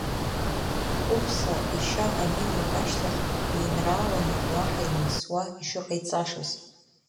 Хәымса ишьа аниулак ашьҭахь, еинрааланы, уаҳа имеисуа, ишыҟаиҵашаз.